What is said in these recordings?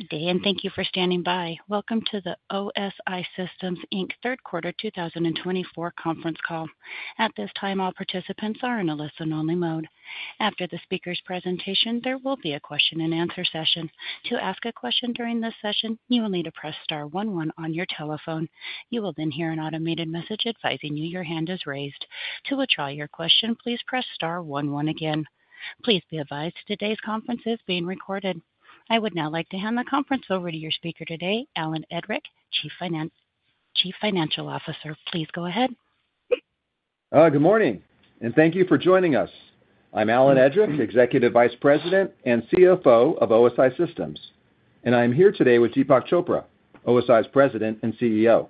Good day, and thank you for standing by. Welcome to the OSI Systems, Inc. third quarter 2024 conference call. At this time, all participants are in a listen-only mode. After the speaker's presentation, there will be a question-and-answer session. To ask a question during this session, you will need to "press star one one" on your telephone. You will then hear an automated message advising you your hand is raised. To withdraw your question, "please press star one one" again. Please be advised today's conference is being recorded. I would now like to hand the conference over to your speaker today, Alan Edrick, Chief Financial Officer. Please go ahead. Good morning, and thank you for joining us. I'm Alan Edrick, Executive Vice President and CFO of OSI Systems, and I am here today with Deepak Chopra, OSI's President and CEO.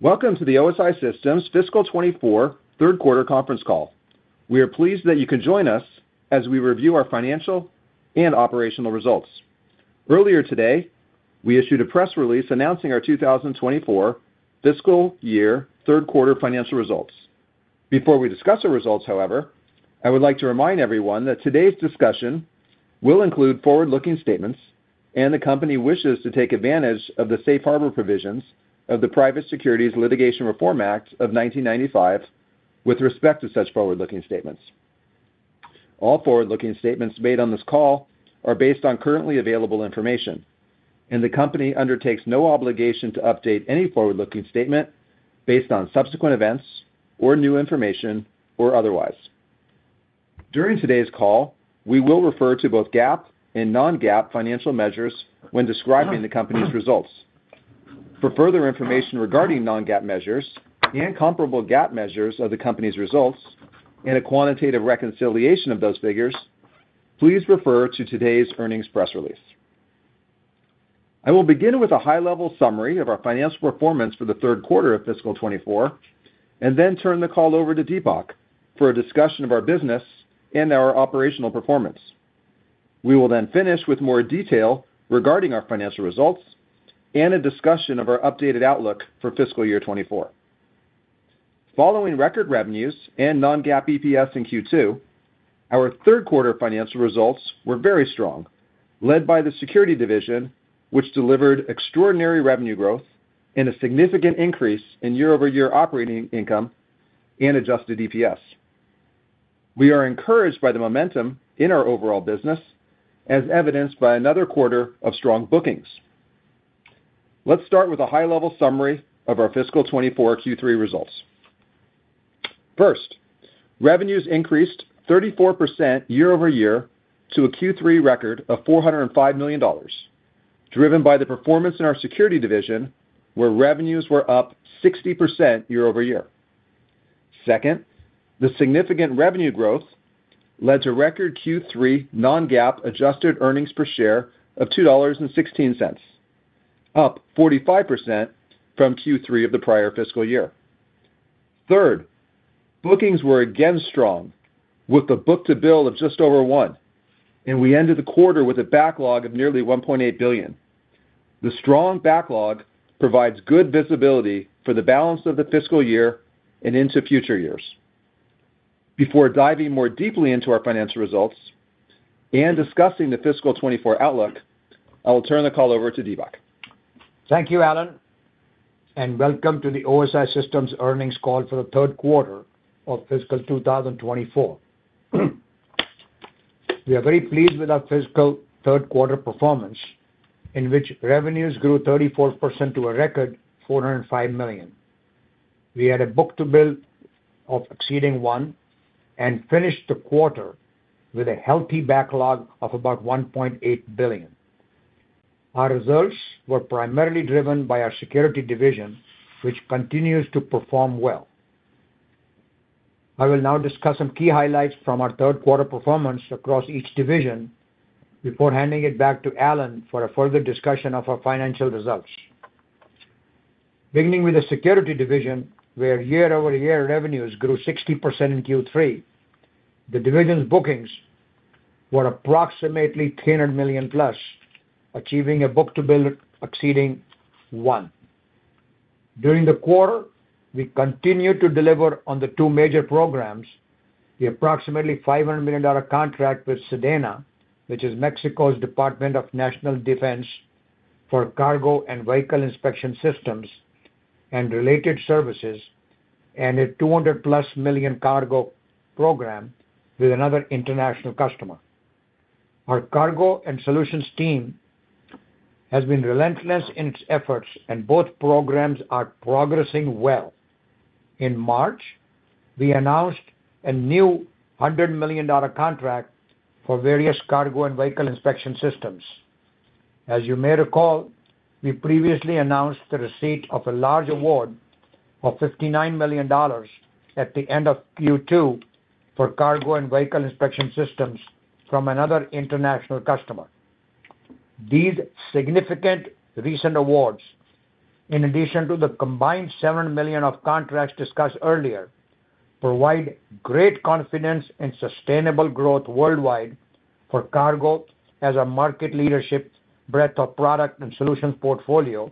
Welcome to the OSI Systems fiscal 2024 third quarter conference call. We are pleased that you can join us as we review our financial and operational results. Earlier today, we issued a press release announcing our 2024 fiscal year third quarter financial results. Before we discuss our results, however, I would like to remind everyone that today's discussion will include forward-looking statements and the company wishes to take advantage of the Safe Harbor provisions of the Private Securities Litigation Reform Act of 1995 with respect to such forward-looking statements. All forward-looking statements made on this call are based on currently available information, and the company undertakes no obligation to update any forward-looking statement based on subsequent events or new information or otherwise. During today's call, we will refer to both GAAP and non-GAAP financial measures when describing the company's results. For further information regarding non-GAAP measures and comparable GAAP measures of the company's results and a quantitative reconciliation of those figures, please refer to today's earnings press release. I will begin with a high-level summary of our financial performance for the third quarter of fiscal 2024 and then turn the call over to Deepak for a discussion of our business and our operational performance. We will then finish with more detail regarding our financial results and a discussion of our updated outlook for fiscal year 2024. Following record revenues and non-GAAP EPS in Q2, our third quarter financial results were very strong, led by the Security division, which delivered extraordinary revenue growth and a significant increase in year-over-year operating income and adjusted EPS. We are encouraged by the momentum in our overall business, as evidenced by another quarter of strong bookings. Let's start with a high-level summary of our fiscal 2024 Q3 results. First, revenues increased 34% year-over-year to a Q3 record of $405 million, driven by the performance in our Security division, where revenues were up 60% year-over-year. Second, the significant revenue growth led to record Q3 non-GAAP adjusted earnings per share of $2.16, up 45% from Q3 of the prior fiscal year. Third, bookings were again strong, with the book-to-bill of just over one, and we ended the quarter with a backlog of nearly $1.8 billion. The strong backlog provides good visibility for the balance of the fiscal year and into future years. Before diving more deeply into our financial results and discussing the fiscal 2024 outlook, I will turn the call over to Deepak. Thank you, Alan, and welcome to the OSI Systems earnings call for the third quarter of fiscal 2024. We are very pleased with our fiscal third quarter performance, in which revenues grew 34% to a record $405 million. We had a book-to-bill of exceeding one and finished the quarter with a healthy backlog of about $1.8 billion. Our results were primarily driven by our Security Division, which continues to perform well. I will now discuss some key highlights from our third quarter performance across each division before handing it back to Alan for a further discussion of our financial results. Beginning with the Security Division, where year-over-year revenues grew 60% in Q3, the division's bookings were approximately $300 million+, achieving a book-to-bill exceeding one. During the quarter, we continued to deliver on the two major programs, the approximately $500 million contract with SEDENA, which is Mexico's Department of National Defense for Cargo and Vehicle Inspection Systems and Related Services, and a $200+ million cargo program with another international customer. Our cargo and solutions team has been relentless in its efforts, and both programs are progressing well. In March, we announced a new $100 million contract for various cargo and vehicle inspection systems. As you may recall, we previously announced the receipt of a large award of $59 million at the end of Q2 for cargo and vehicle inspection systems from another international customer. These significant recent awards, in addition to the combined $7 million of contracts discussed earlier, provide great confidence in sustainable growth worldwide for cargo as a market leadership breadth of product and solutions portfolio,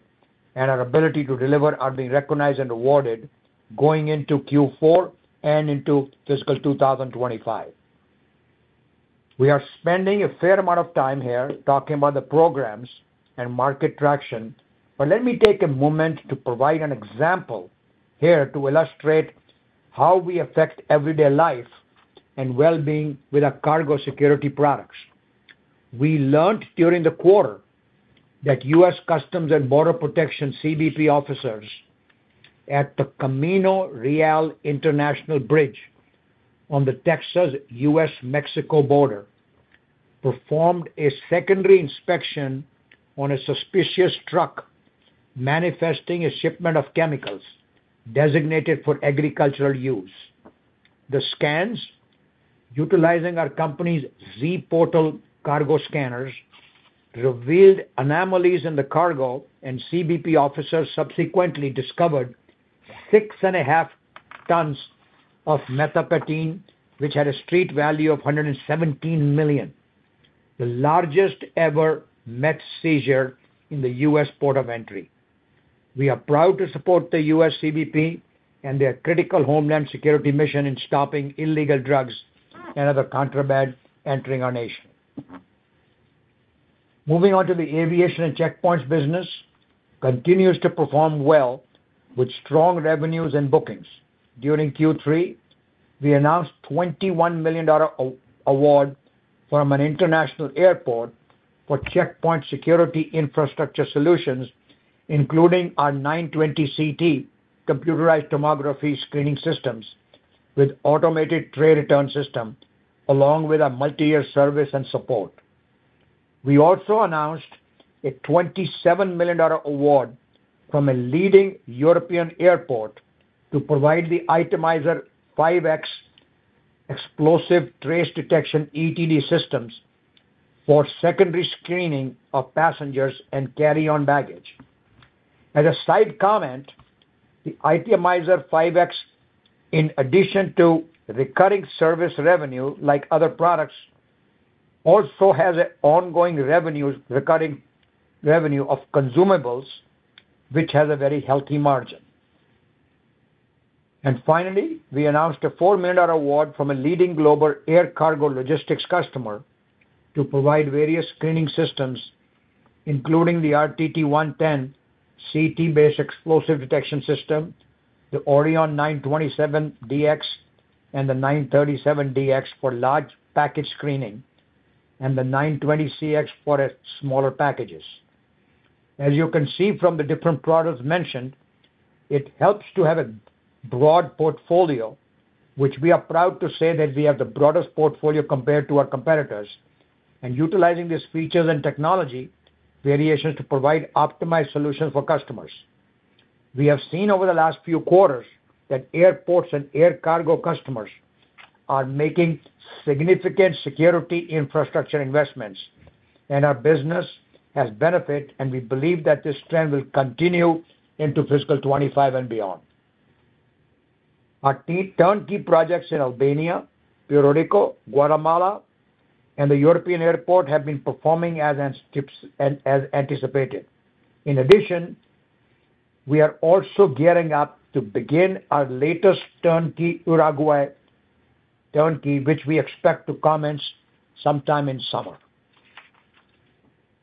and our ability to deliver are being recognized and awarded going into Q4 and into fiscal 2025. We are spending a fair amount of time here talking about the programs and market traction, but let me take a moment to provide an example here to illustrate how we affect everyday life and well-being with our cargo security products. We learned during the quarter that U.S. Customs and Border Protection (CBP) officers at the Camino Real International Bridge on the Texas-U.S.-Mexico border performed a secondary inspection on a suspicious truck manifesting a shipment of chemicals designated for agricultural use. The scans, utilizing our company's Z Portal cargo scanners, revealed anomalies in the cargo, and CBP officers subsequently discovered 6.5 tons of methamphetamine, which had a street value of $117 million, the largest-ever meth seizure in the U.S. port of entry. We are proud to support the U.S. CBP and their critical homeland security mission in stopping illegal drugs and other contraband entering our nation. Moving on to the aviation and checkpoints business, continues to perform well with strong revenues and bookings. During Q3, we announced a $21 million award from an international airport for checkpoint security infrastructure solutions, including our 920CT computerized tomography screening systems with automated tray return system, along with a multi-year service and support. We also announced a $27 million award from a leading European airport to provide the Itemiser® 5X explosive trace detection (ETD) systems for secondary screening of passengers and carry-on baggage. As a side comment, the Itemiser® 5X, in addition to recurring service revenue like other products, also has an ongoing recurring revenue of consumables, which has a very healthy margin. And finally, we announced a $4 million award from a leading global air cargo logistics customer to provide various screening systems, including the RTT-110 CT-based explosive detection system, the Orion 927DX and the 937DX for large package screening, and the 920CX for smaller packages. As you can see from the different products mentioned, it helps to have a broad portfolio, which we are proud to say that we have the broadest portfolio compared to our competitors, and utilizing these features and technology variations to provide optimized solutions for customers. We have seen over the last few quarters that airports and air cargo customers are making significant security infrastructure investments, and our business has benefited, and we believe that this trend will continue into fiscal 2025 and beyond. Our turnkey projects in Albania, Puerto Rico, Guatemala, and the European airport have been performing as anticipated. In addition, we are also gearing up to begin our latest turnkey Uruguay turnkey, which we expect to commence sometime in summer.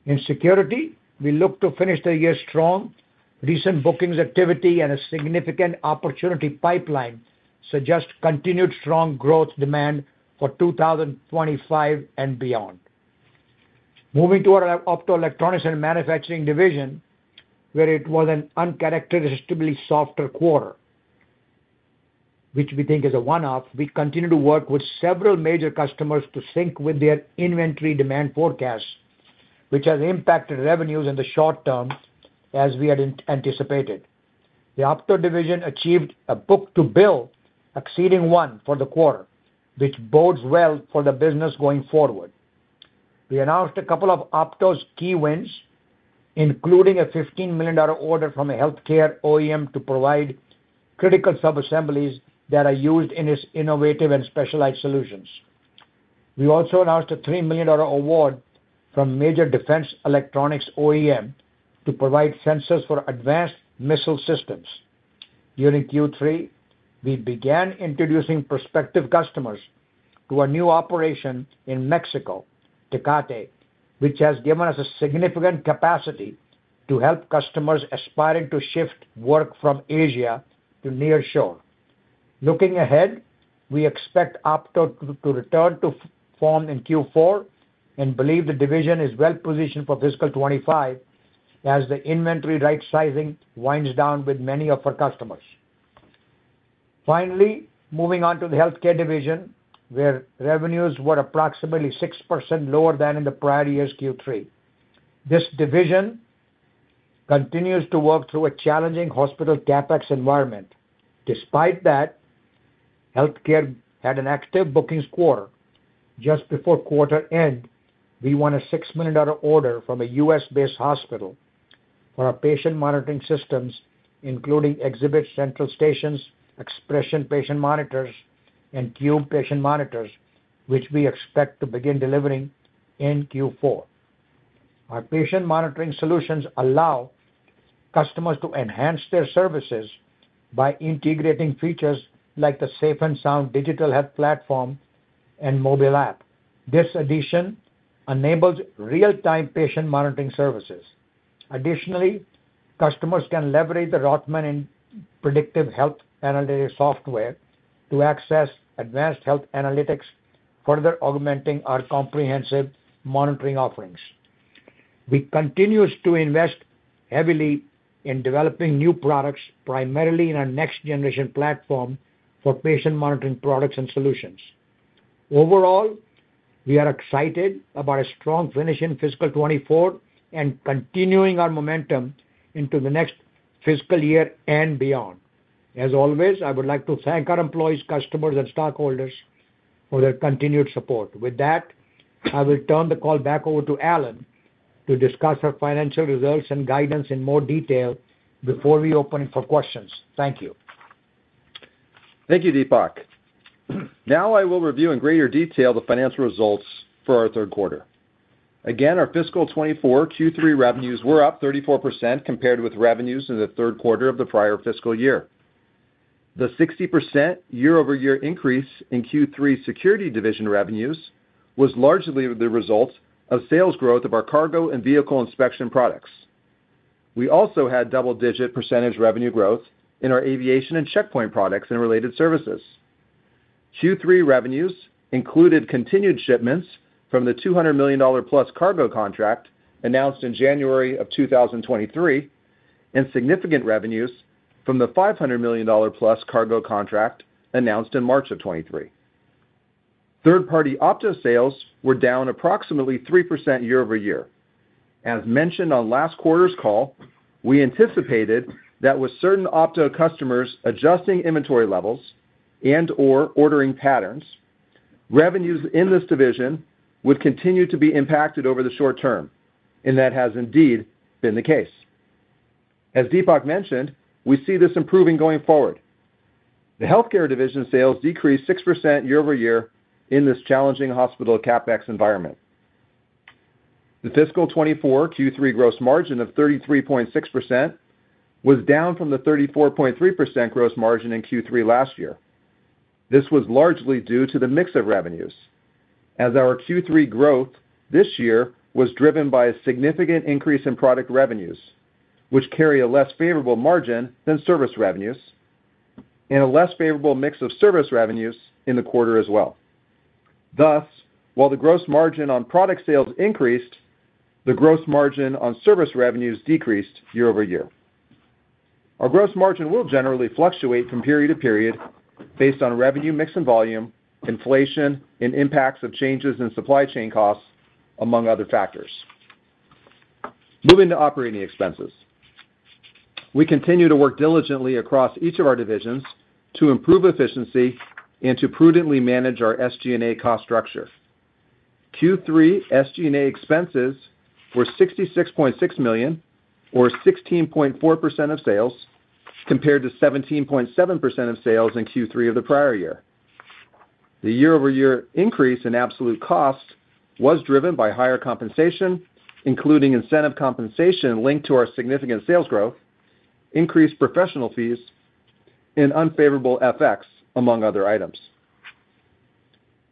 In security, we look to finish the year strong. Recent bookings activity and a significant opportunity pipeline suggest continued strong growth demand for 2025 and beyond. Moving to our Optoelectronics and manufacturing division, where it was an uncharacteristically softer quarter, which we think is a one-off, we continue to work with several major customers to sync with their inventory demand forecasts, which has impacted revenues in the short term as we had anticipated. The Opto Division achieved a book-to-bill exceeding one for the quarter, which bodes well for the business going forward. We announced a couple of Opto's key wins, including a $15 million order from a healthcare OEM to provide critical subassemblies that are used in its innovative and specialized solutions. We also announced a $3 million award from a major defense electronics OEM to provide sensors for advanced missile systems. During Q3, we began introducing prospective customers to a new operation in Mexico, Tecate, which has given us a significant capacity to help customers aspiring to shift work from Asia to nearshore. Looking ahead, we expect Opto to return to form in Q4 and believe the division is well positioned for fiscal 2025 as the inventory right-sizing winds down with many of our customers. Finally, moving on to the healthcare division, where revenues were approximately 6% lower than in the prior year's Q3. This division continues to work through a challenging hospital CapEx environment. Despite that, healthcare had an active bookings quarter. Just before quarter end, we won a $6 million order from a U.S.-based hospital for our patient monitoring systems, including Xhibit Central Stations, Xprezzon Patient Monitors, and Qube Patient Monitors, which we expect to begin delivering in Q4. Our patient monitoring solutions allow customers to enhance their services by integrating features like the SafeNSound Digital Health Platform and mobile app. This addition enables real-time patient monitoring services. Additionally, customers can leverage the Rothman Predictive Health Analytics software to access advanced health analytics, further augmenting our comprehensive monitoring offerings. We continue to invest heavily in developing new products, primarily in our next-generation platform for patient monitoring products and solutions. Overall, we are excited about a strong finish in fiscal 2024 and continuing our momentum into the next fiscal year and beyond. As always, I would like to thank our employees, customers, and stockholders for their continued support. With that, I will turn the call back over to Alan to discuss our financial results and guidance in more detail before we open it for questions. Thank you. Thank you, Deepak. Now I will review in greater detail the financial results for our third quarter. Again, our fiscal 2024 Q3 revenues were up 34% compared with revenues in the third quarter of the prior fiscal year. The 60% year-over-year increase in Q3 Security Division revenues was largely the result of sales growth of our cargo and vehicle inspection products. We also had double-digit percentage revenue growth in our aviation and checkpoint products and related services. Q3 revenues included continued shipments from the $200 million+ cargo contract announced in January of 2023 and significant revenues from the $500 million+ cargo contract announced in March of 2023. Third-party Opto sales were down approximately 3% year-over-year. As mentioned on last quarter's call, we anticipated that with certain Opto customers adjusting inventory levels and/or ordering patterns, revenues in this division would continue to be impacted over the short term, and that has indeed been the case. As Deepak mentioned, we see this improving going forward. The healthcare division sales decreased 6% year-over-year in this challenging hospital CapEx environment. The fiscal 2024 Q3 gross margin of 33.6% was down from the 34.3% gross margin in Q3 last year. This was largely due to the mix of revenues, as our Q3 growth this year was driven by a significant increase in product revenues, which carry a less favorable margin than service revenues, and a less favorable mix of service revenues in the quarter as well. Thus, while the gross margin on product sales increased, the gross margin on service revenues decreased year-over-year. Our gross margin will generally fluctuate from period to period based on revenue mix and volume, inflation, and impacts of changes in supply chain costs, among other factors. Moving to operating expenses, we continue to work diligently across each of our divisions to improve efficiency and to prudently manage our SG&A cost structure. Q3 SG&A expenses were $66.6 million, or 16.4% of sales, compared to 17.7% of sales in Q3 of the prior year. The year-over-year increase in absolute costs was driven by higher compensation, including incentive compensation linked to our significant sales growth, increased professional fees, and unfavorable FX, among other items.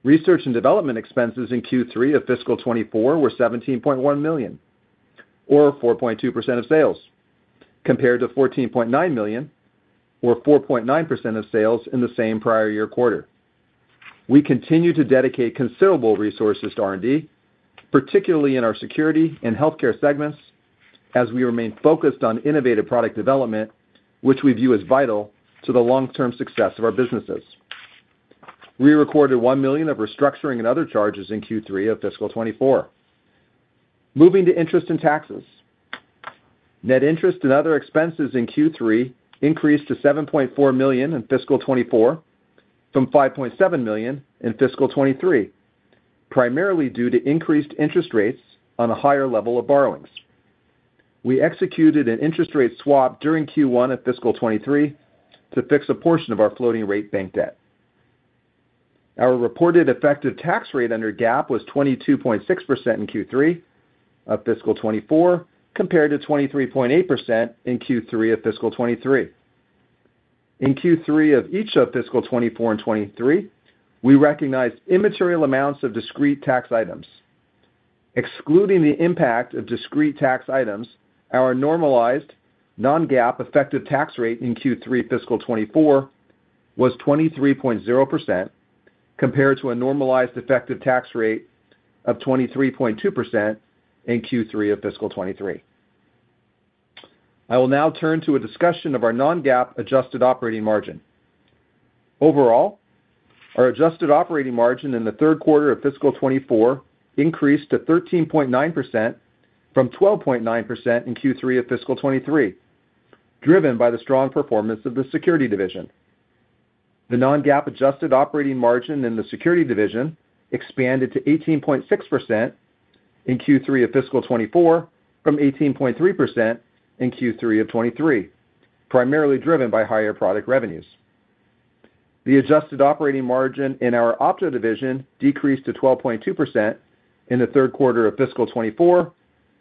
Research and development expenses in Q3 of fiscal 2024 were $17.1 million, or 4.2% of sales, compared to $14.9 million, or 4.9% of sales in the same prior year quarter. We continue to dedicate considerable resources to R&D, particularly in our security and healthcare segments, as we remain focused on innovative product development, which we view as vital to the long-term success of our businesses. We recorded $1 million of restructuring and other charges in Q3 of fiscal 2024. Moving to interest and taxes, net interest and other expenses in Q3 increased to $7.4 million in fiscal 2024 from $5.7 million in fiscal 2023, primarily due to increased interest rates on a higher level of borrowings. We executed an interest rate swap during Q1 of fiscal 2023 to fix a portion of our floating rate bank debt. Our reported effective tax rate under GAAP was 22.6% in Q3 of fiscal 2024, compared to 23.8% in Q3 of fiscal 2023. In Q3 of each of fiscal 2024 and 2023, we recognized immaterial amounts of discrete tax items. Excluding the impact of discrete tax items, our normalized non-GAAP effective tax rate in Q3 fiscal 2024 was 23.0%, compared to a normalized effective tax rate of 23.2% in Q3 of fiscal 2023. I will now turn to a discussion of our non-GAAP adjusted operating margin. Overall, our adjusted operating margin in the third quarter of fiscal 2024 increased to 13.9% from 12.9% in Q3 of fiscal 2023, driven by the strong performance of the security division. The non-GAAP adjusted operating margin in the security division expanded to 18.6% in Q3 of fiscal 2024 from 18.3% in Q3 of 2023, primarily driven by higher product revenues. The adjusted operating margin in our Opto Division decreased to 12.2% in the third quarter of fiscal 2024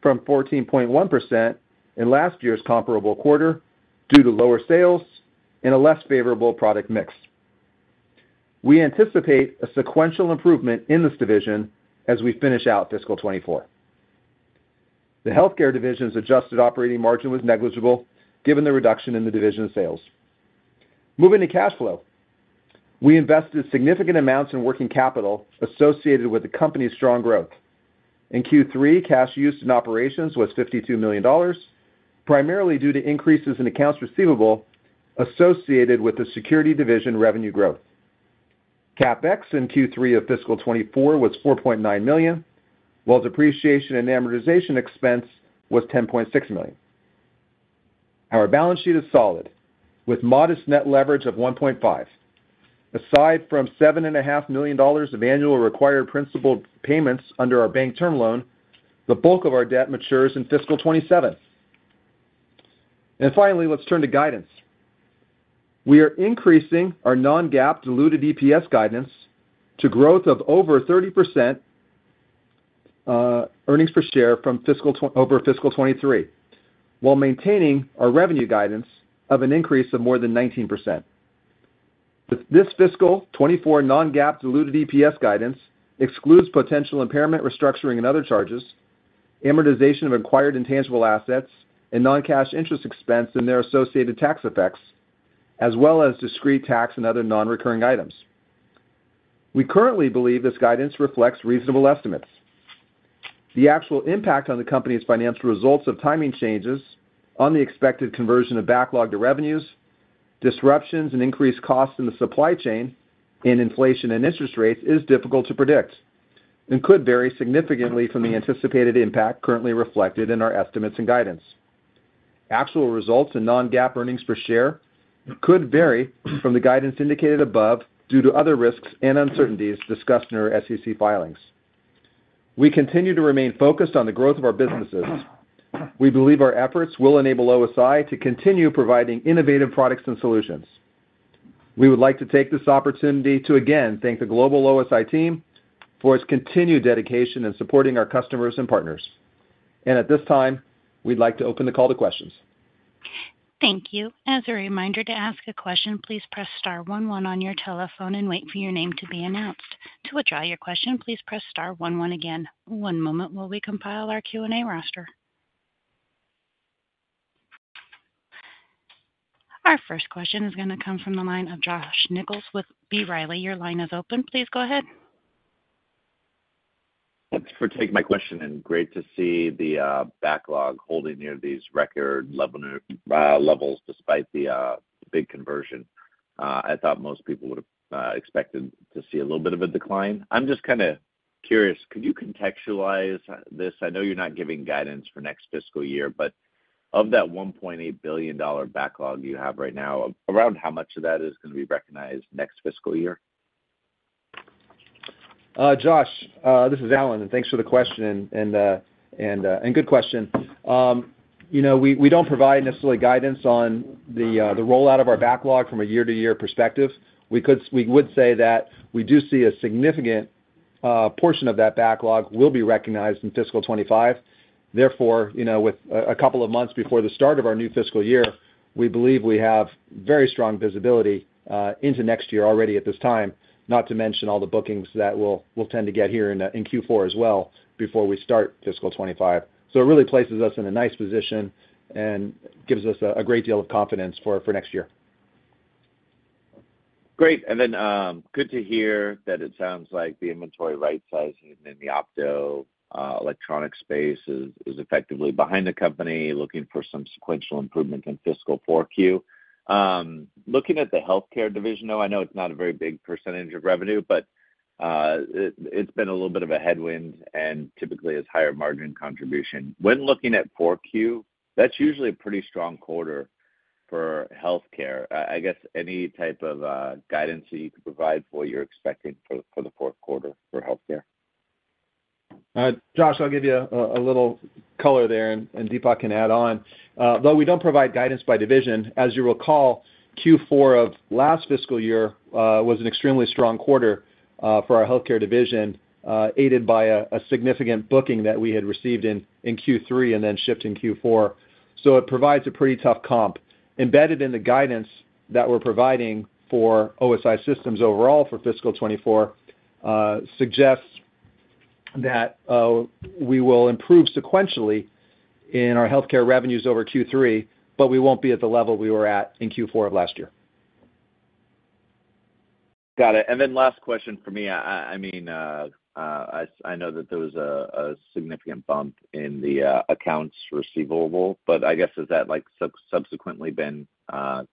from 14.1% in last year's comparable quarter due to lower sales and a less favorable product mix. We anticipate a sequential improvement in this division as we finish out fiscal 2024. The healthcare division's adjusted operating margin was negligible given the reduction in the division's sales. Moving to cash flow, we invested significant amounts in working capital associated with the company's strong growth. In Q3, cash used in operations was $52 million, primarily due to increases in accounts receivable associated with the security division revenue growth. CapEx in Q3 of fiscal 2024 was $4.9 million, while depreciation and amortization expense was $10.6 million. Our balance sheet is solid, with modest net leverage of 1.5. Aside from $7.5 million of annual required principal payments under our bank term loan, the bulk of our debt matures in fiscal 2027. Finally, let's turn to guidance. We are increasing our non-GAAP diluted EPS guidance to growth of over 30% earnings per share over fiscal 2023, while maintaining our revenue guidance of an increase of more than 19%. This fiscal 2024 non-GAAP diluted EPS guidance excludes potential impairment, restructuring, and other charges, amortization of acquired intangible assets, and non-cash interest expense and their associated tax effects, as well as discrete tax and other non-recurring items. We currently believe this guidance reflects reasonable estimates. The actual impact on the company's financial results of timing changes on the expected conversion of backlogged revenues, disruptions, and increased costs in the supply chain in inflation and interest rates is difficult to predict and could vary significantly from the anticipated impact currently reflected in our estimates and guidance. Actual results and non-GAAP earnings per share could vary from the guidance indicated above due to other risks and uncertainties discussed in our SEC filings. We continue to remain focused on the growth of our businesses. We believe our efforts will enable OSI to continue providing innovative products and solutions. We would like to take this opportunity to again thank the global OSI team for its continued dedication in supporting our customers and partners. At this time, we'd like to open the call to questions. Thank you. As a reminder, to ask a question, "please press star one one" on your telephone and wait for your name to be announced. To withdraw your question, "please press star one one" again. One moment while we compile our Q&A roster. Our first question is going to come from the line of Josh Nichols with B. Riley. Your line is open. Please go ahead. Thanks for taking my question, and great to see the backlog holding near these record levels despite the big conversion. I thought most people would have expected to see a little bit of a decline. I'm just kind of curious, could you contextualize this? I know you're not giving guidance for next fiscal year, but of that $1.8 billion backlog you have right now, around how much of that is going to be recognized next fiscal year? Josh, this is Alan, and thanks for the question, and good question. We don't provide necessarily guidance on the rollout of our backlog from a year-to-year perspective. We would say that we do see a significant portion of that backlog will be recognized in fiscal 2025. Therefore, with a couple of months before the start of our new fiscal year, we believe we have very strong visibility into next year already at this time, not to mention all the bookings that we'll tend to get here in Q4 as well before we start fiscal 2025. So it really places us in a nice position and gives us a great deal of confidence for next year. Great. And then good to hear that it sounds like the inventory right-sizing in the Optoelectronics space is effectively behind the company, looking for some sequential improvement in fiscal 4Q. Looking at the Healthcare division, though, I know it's not a very big percentage of revenue, but it's been a little bit of a headwind and typically has higher margin contribution. When looking at 4Q, that's usually a pretty strong quarter for Healthcare. I guess any type of guidance that you could provide for what you're expecting for the fourth quarter for Healthcare? Josh, I'll give you a little color there, and Deepak can add on. Though we don't provide guidance by division, as you recall, Q4 of last fiscal year was an extremely strong quarter for our Healthcare division, aided by a significant booking that we had received in Q3 and then shipped in Q4. So it provides a pretty tough comp. Embedded in the guidance that we're providing for OSI Systems overall for fiscal 2024 suggests that we will improve sequentially in our Healthcare revenues over Q3, but we won't be at the level we were at in Q4 of last year. Got it. And then last question for me. I mean, I know that there was a significant bump in the accounts receivable, but I guess, has that subsequently been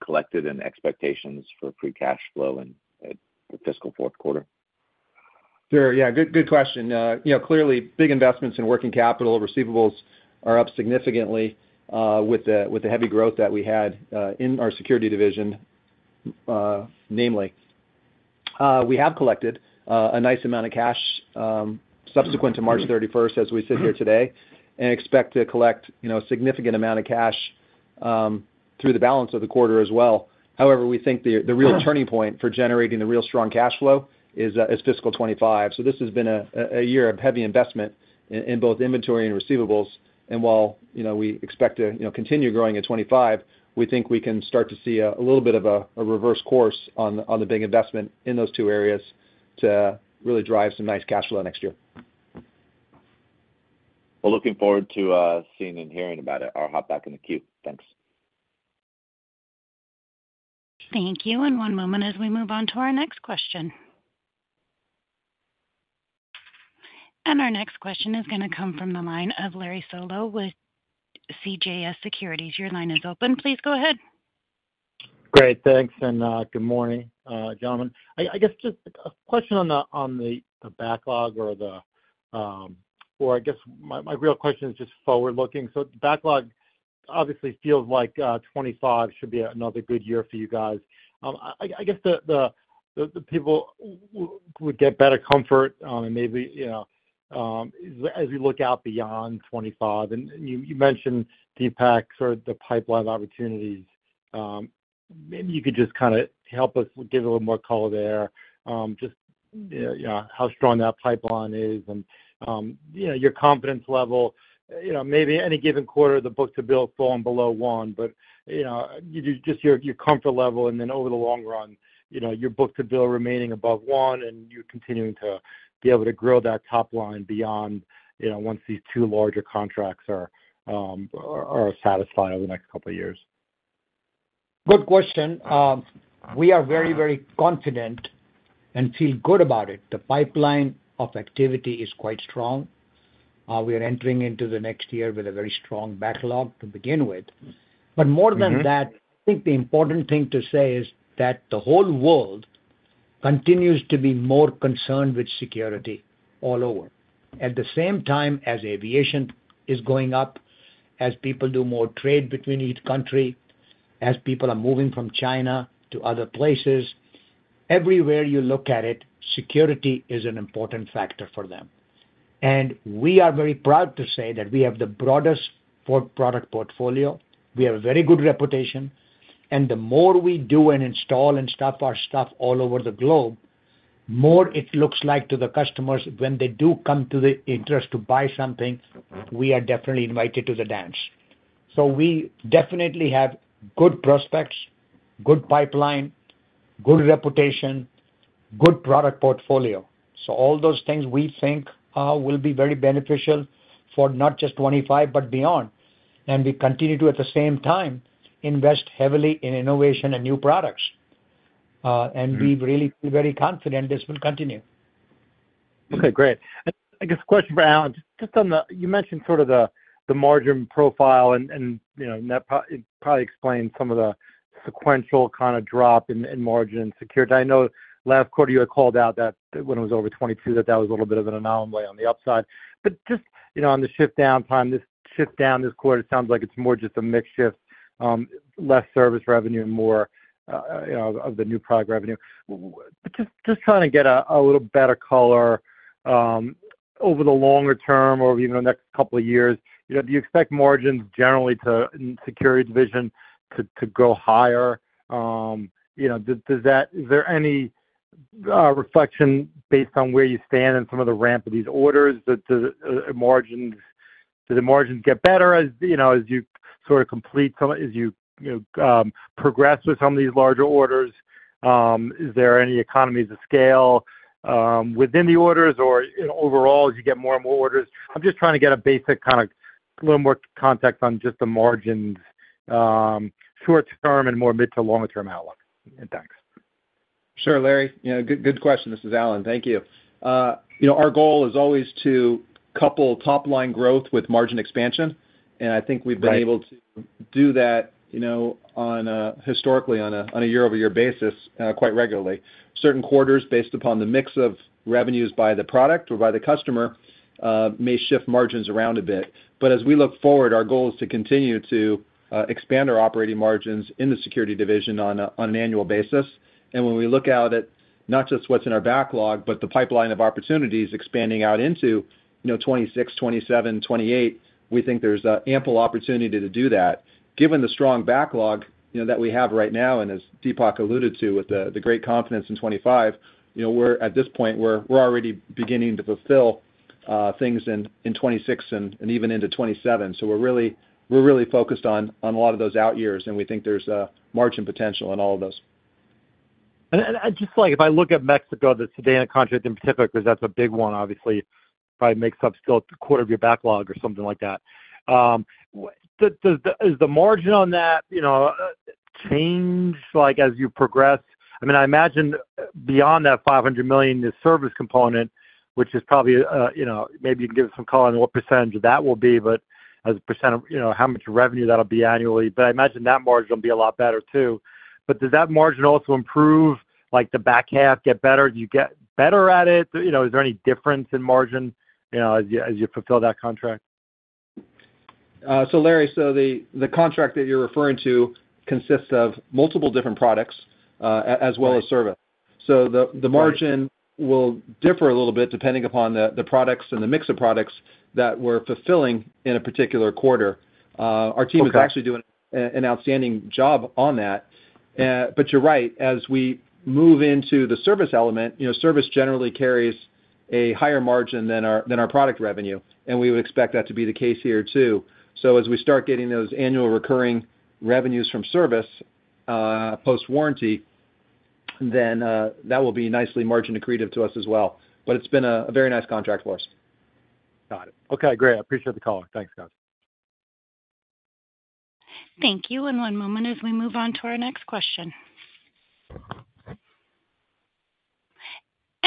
collected in expectations for free cash flow in fiscal fourth quarter? Sure. Yeah, good question. Clearly, big investments in working capital, receivables are up significantly with the heavy growth that we had in our Security Division, namely. We have collected a nice amount of cash subsequent to March 31st, as we sit here today, and expect to collect a significant amount of cash through the balance of the quarter as well. However, we think the real turning point for generating the real strong cash flow is fiscal 2025. So this has been a year of heavy investment in both inventory and receivables. And while we expect to continue growing in 2025, we think we can start to see a little bit of a reverse course on the big investment in those two areas to really drive some nice cash flow next year. Well, looking forward to seeing and hearing about it. I'll hop back in the queue. Thanks. Thank you. And one moment as we move on to our next question. And our next question is going to come from the line of Larry Solow with CJS Securities. Your line is open. Please go ahead. Great. Thanks. Good morning, gentlemen. I guess just a question on the backlog, or I guess my real question is just forward-looking. So backlog obviously feels like 2025 should be another good year for you guys. I guess the people would get better comfort and maybe as we look out beyond 2025 and you mentioned Deepak sort of the pipeline opportunities. Maybe you could just kind of help us give a little more color there, just how strong that pipeline is and your confidence level. Maybe any given quarter, the book-to-bill is falling below one, but just your comfort level and then over the long run, your book-to-bill remaining above one and you continuing to be able to grow that top line beyond once these two larger contracts are satisfied over the next couple of years. Good question. We are very, very confident and feel good about it. The pipeline of activity is quite strong. We are entering into the next year with a very strong backlog to begin with. But more than that, I think the important thing to say is that the whole world continues to be more concerned with security all over, at the same time as aviation is going up, as people do more trade between each country, as people are moving from China to other places. Everywhere you look at it, security is an important factor for them. And we are very proud to say that we have the broadest product portfolio. We have a very good reputation. The more we do and install and stuff our stuff all over the globe, the more it looks like to the customers when they do come to the interest to buy something, we are definitely invited to the dance. So we definitely have good prospects, good pipeline, good reputation, good product portfolio. So all those things we think will be very beneficial for not just 2025 but beyond. And we continue to, at the same time, invest heavily in innovation and new products. And we really feel very confident this will continue. Okay. Great. And I guess a question for Alan. Just on that you mentioned sort of the margin profile, and that probably explains some of the sequential kind of drop in margin and security. I know last quarter, you had called out that when it was over 22, that that was a little bit of an anomaly on the upside. But just on the shift downtime, this shift down this quarter, it sounds like it's more just a mixed shift, less service revenue, more of the new product revenue. But just trying to get a little better color over the longer term or even over the next couple of years, do you expect margins generally in the security division to go higher? Is there any reflection based on where you stand in some of the ramp of these orders? Do the margins get better as you sort of complete some as you progress with some of these larger orders? Is there any economies of scale within the orders, or overall, as you get more and more orders? I'm just trying to get a basic kind of a little more context on just the margins short-term and more mid to longer-term outlook. And thanks. Sure, Larry. Good question. This is Alan. Thank you. Our goal is always to couple top-line growth with margin expansion. And I think we've been able to do that historically on a year-over-year basis quite regularly. Certain quarters, based upon the mix of revenues by the product or by the customer, may shift margins around a bit. But as we look forward, our goal is to continue to expand our operating margins in the security division on an annual basis. When we look out at not just what's in our backlog but the pipeline of opportunities expanding out into 2026, 2027, 2028, we think there's ample opportunity to do that. Given the strong backlog that we have right now and as Deepak alluded to with the great confidence in 2025, at this point, we're already beginning to fulfill things in 2026 and even into 2027. So we're really focused on a lot of those out years, and we think there's margin potential in all of those. And just if I look at Mexico, the SEDENA contract in Pacific, because that's a big one, obviously, probably makes up still a quarter of your backlog or something like that. Does the margin on that change as you progress? I mean, I imagine beyond that $500 million is service component, which is probably maybe you can give us some color on what percentage of that will be, but as a percent of how much revenue that'll be annually. But I imagine that margin will be a lot better too. But does that margin also improve the back half, get better? Do you get better at it? Is there any difference in margin as you fulfill that contract? So, Larry, so the contract that you're referring to consists of multiple different products as well as service. So the margin will differ a little bit depending upon the products and the mix of products that we're fulfilling in a particular quarter. Our team is actually doing an outstanding job on that. But you're right. As we move into the service element, service generally carries a higher margin than our product revenue. We would expect that to be the case here too. As we start getting those annual recurring revenues from service post-warranty, then that will be nicely margin decreative to us as well. It's been a very nice contract for us. Got it. Okay. Great. I appreciate the call. Thanks, guys. Thank you. One moment as we move on to our next question.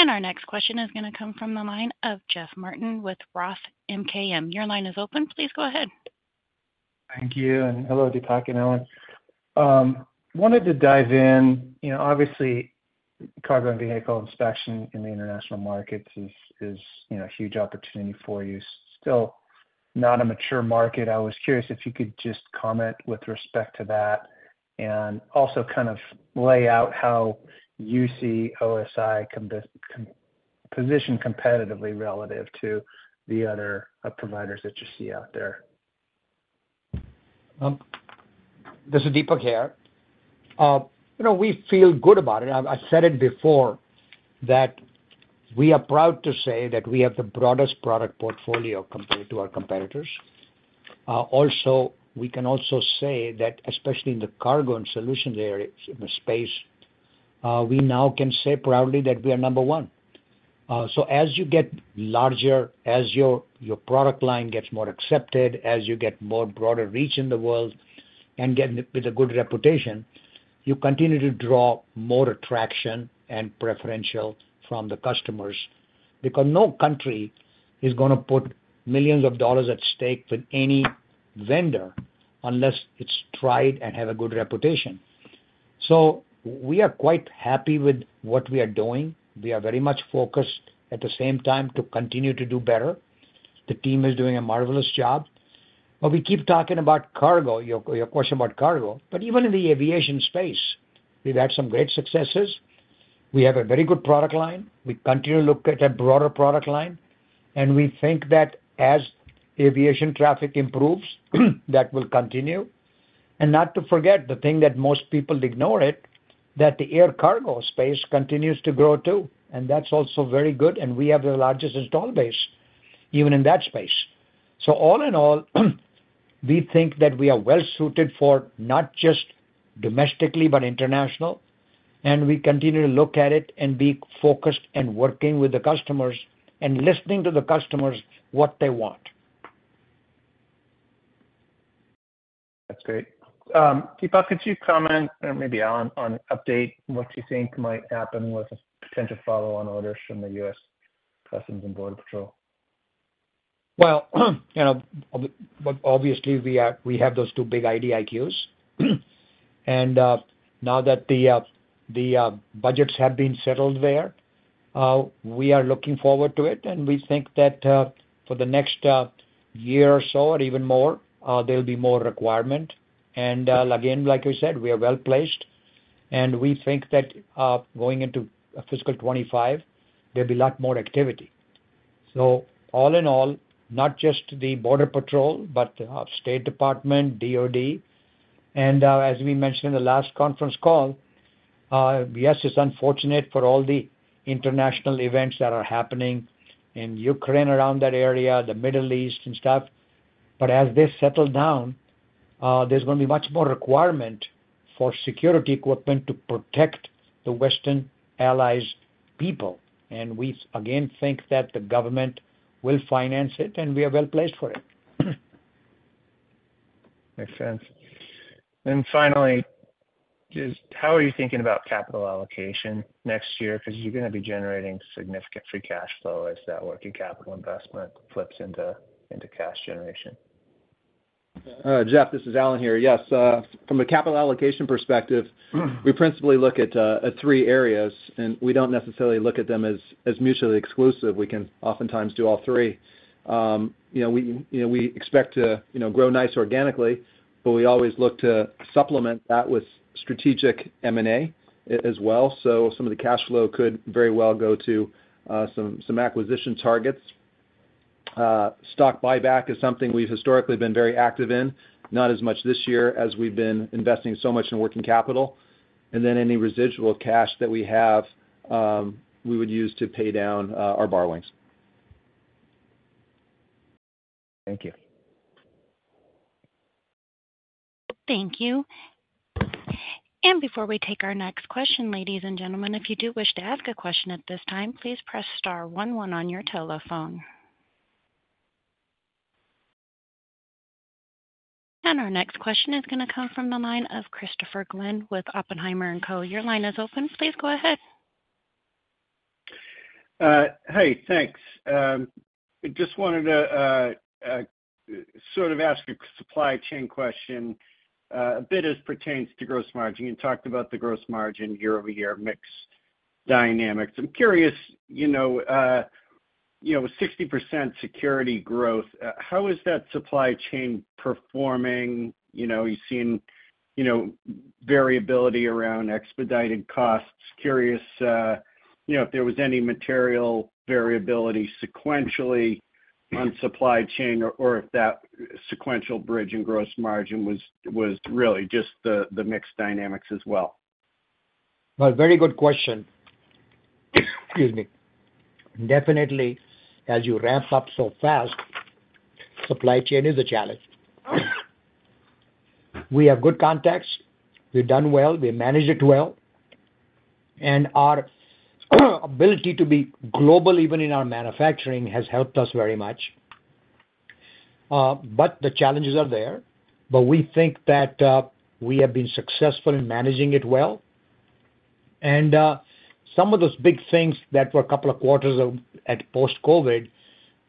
Our next question is going to come from the line of Jeff Martin with Roth MKM. Your line is open. Please go ahead. Thank you. Hello, Deepak and Alan. Wanted to dive in. Obviously, cargo and vehicle inspection in the international markets is a huge opportunity for you. Still not a mature market. I was curious if you could just comment with respect to that and also kind of lay out how you see OSI positioned competitively relative to the other providers that you see out there. This is Deepak here. We feel good about it. I've said it before, that we are proud to say that we have the broadest product portfolio compared to our competitors. Also, we can also say that, especially in the cargo and solution space, we now can say proudly that we are number one. So as you get larger, as your product line gets more accepted, as you get more broader reach in the world and get with a good reputation, you continue to draw more attraction and preferential from the customers because no country is going to put $ millions at stake with any vendor unless it's tried and has a good reputation. So we are quite happy with what we are doing. We are very much focused at the same time to continue to do better. The team is doing a marvelous job. But we keep talking about cargo, your question about cargo. But even in the aviation space, we've had some great successes. We have a very good product line. We continue to look at a broader product line. And we think that as aviation traffic improves, that will continue. And not to forget the thing that most people ignore it, that the air cargo space continues to grow too. And that's also very good. And we have the largest install base even in that space. So all in all, we think that we are well-suited for not just domestically but international. And we continue to look at it and be focused and working with the customers and listening to the customers, what they want. That's great. Deepak, could you comment or maybe Alan update what you think might happen with a potential follow-on order from the U.S. Customs and Border Protection? Well, obviously, we have those two big IDIQs. And now that the budgets have been settled there, we are looking forward to it. And we think that for the next year or so or even more, there'll be more requirement. And again, like I said, we are well-placed. And we think that going into fiscal 2025, there'll be a lot more activity. So all in all, not just the Border Patrol but the State Department, DOD. And as we mentioned in the last conference call, yes, it's unfortunate for all the international events that are happening in Ukraine around that area, the Middle East and stuff. But as this settles down, there's going to be much more requirement for security equipment to protect the Western Allies' people. And we, again, think that the government will finance it, and we are well-placed for it. Makes sense. Finally, how are you thinking about capital allocation next year because you're going to be generating significant free cash flow as that working capital investment flips into cash generation? Jeff, this is Alan here. Yes, from a capital allocation perspective, we principally look at three areas. We don't necessarily look at them as mutually exclusive. We can oftentimes do all three. We expect to grow nice organically, but we always look to supplement that with strategic M&A as well. Some of the cash flow could very well go to some acquisition targets. Stock buyback is something we've historically been very active in, not as much this year as we've been investing so much in working capital. Any residual cash that we have, we would use to pay down our borrowings. Thank you. Thank you. And before we take our next question, ladies and gentlemen, if you do wish to ask a question at this time, please "press star one one" on your telephone. And our next question is going to come from the line of Christopher Glynn with Oppenheimer & Co. Your line is open. Please go ahead. Hey, thanks. Just wanted to sort of ask a supply chain question a bit as pertains to gross margin. You talked about the gross margin, year-over-year mix dynamics. I'm curious, with 60% security growth, how is that supply chain performing? Are you seeing variability around expedited costs? Curious if there was any material variability sequentially on supply chain or if that sequential bridge in gross margin was really just the mixed dynamics as well. Very good question. Excuse me. Definitely, as you wrap up so fast, supply chain is a challenge. We have good contacts. We've done well. We managed it well. Our ability to be global, even in our manufacturing, has helped us very much. The challenges are there. We think that we have been successful in managing it well. Some of those big things that were a couple of quarters at post-COVID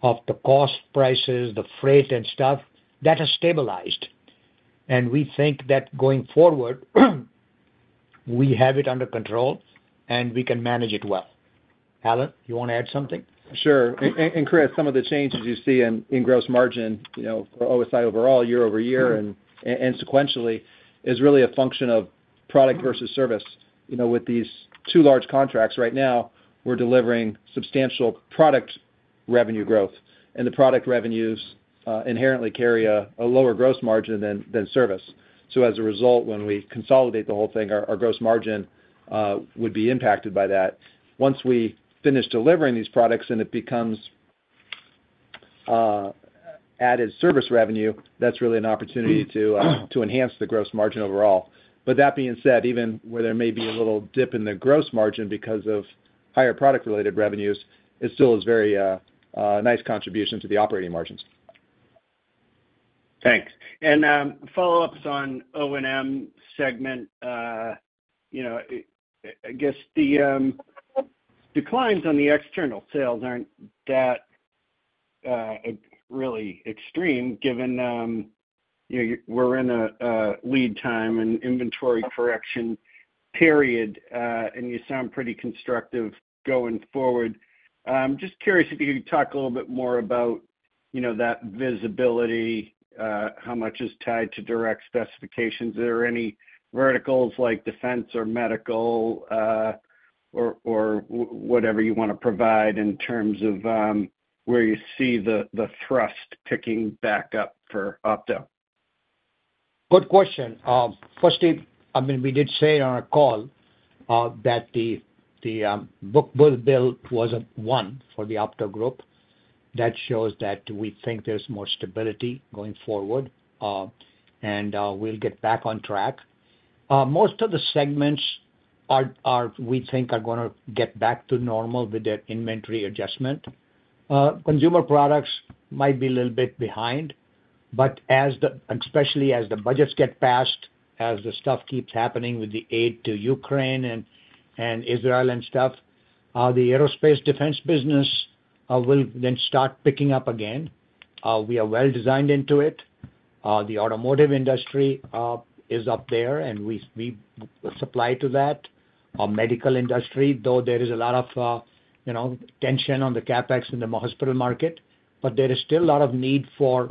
of the cost prices, the freight and stuff, that has stabilized. We think that going forward, we have it under control, and we can manage it well. Alan, you want to add something? Sure. And Chris, some of the changes you see in gross margin for OSI overall, year-over-year and sequentially, is really a function of product versus service. With these two large contracts right now, we're delivering substantial product revenue growth. And the product revenues inherently carry a lower gross margin than service. So as a result, when we consolidate the whole thing, our gross margin would be impacted by that. Once we finish delivering these products and it becomes added service revenue, that's really an opportunity to enhance the gross margin overall. But that being said, even where there may be a little dip in the gross margin because of higher product-related revenues, it still is a very nice contribution to the operating margins. Thanks. And follow-ups on O&M segment, I guess the declines on the external sales aren't that really extreme given we're in a lead time and inventory correction period, and you sound pretty constructive going forward. I'm just curious if you could talk a little bit more about that visibility, how much is tied to direct specifications. Are there any verticals like defense or medical or whatever you want to provide in terms of where you see the thrust picking back up for Opto? Good question. Firstly, I mean, we did say on our call that the book-to-bill was a one for the Opto Group. That shows that we think there's more stability going forward, and we'll get back on track. Most of the segments, we think, are going to get back to normal with their inventory adjustment. Consumer products might be a little bit behind. But especially as the budgets get passed, as the stuff keeps happening with the aid to Ukraine and Israel and stuff, the aerospace defense business will then start picking up again. We are well-designed into it. The automotive industry is up there, and we supply to that. Our medical industry, though there is a lot of tension on the CapEx in the hospital market, but there is still a lot of need for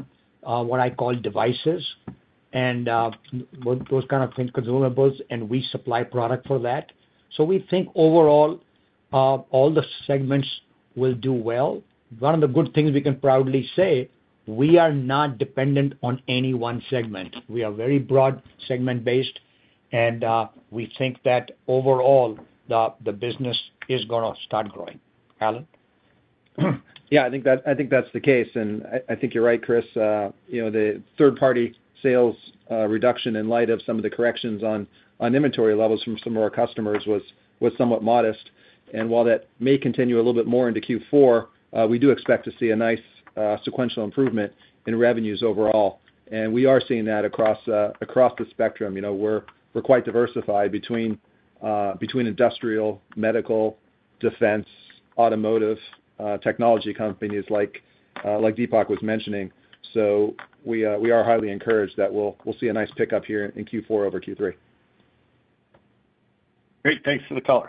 what I call devices and those kind of consumables, and we supply product for that. So we think overall, all the segments will do well. One of the good things we can proudly say, we are not dependent on any one segment. We are very broad segment-based. And we think that overall, the business is going to start growing. Alan? Yeah, I think that's the case. And I think you're right, Chris. The third-party sales reduction in light of some of the corrections on inventory levels from some of our customers was somewhat modest. And while that may continue a little bit more into Q4, we do expect to see a nice sequential improvement in revenues overall. And we are seeing that across the spectrum. We're quite diversified between industrial, medical, defense, automotive technology companies like Deepak was mentioning. So we are highly encouraged that we'll see a nice pickup here in Q4 over Q3. Great. Thanks for the call.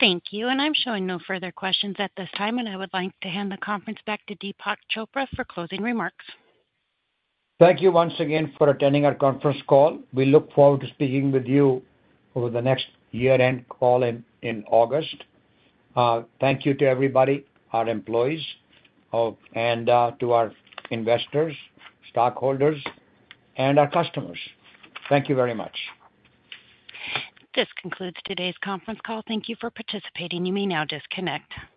Thank you. I'm showing no further questions at this time. I would like to hand the conference back to Deepak Chopra for closing remarks. Thank you once again for attending our conference call. We look forward to speaking with you over the next year-end call in August. Thank you to everybody, our employees, and to our investors, stockholders, and our customers. Thank you very much. This concludes today's conference call. Thank you for participating. You may now disconnect.